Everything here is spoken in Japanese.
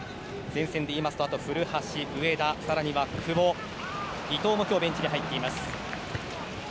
前線でいうと、あとは古橋、上田更には久保伊東もベンチに入っています。